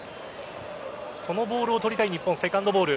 このボールを取りたい日本セカンドボール。